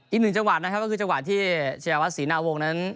อีกหนึ่งจังหวัดนะครับก็คือจังหวะที่ชายวัดศรีนาวงศ์นั้น